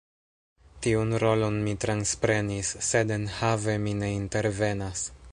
Tiun rolon mi transprenis, sed enhave mi ne intervenas.